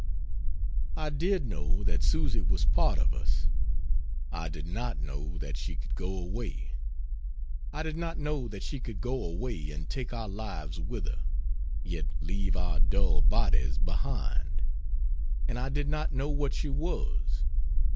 I did know that Susy was part of us; I did not know that she could go away; I did not know that she could go away, and take our lives with her, yet leave our dull bodies behind. And I did not know what she was.